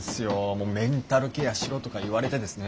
もうメンタルケアしろとか言われてですね。